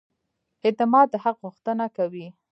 اعتماد د حق غوښتنه کوي.